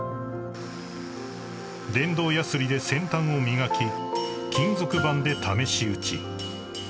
［電動やすりで先端を磨き金属板で試し打ち］